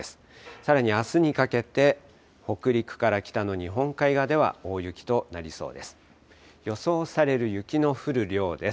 さらにあすにかけて、北陸から北の日本海側では大雪となりそうです。